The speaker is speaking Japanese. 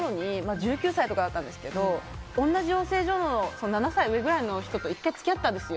１９歳とかだったんですけど同じ養成所の７歳上ぐらいの人と１回付き合ったんですよ。